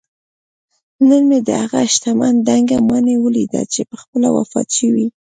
نن مې دهغه شتمن دنګه ماڼۍ ولیده چې پخپله وفات شوی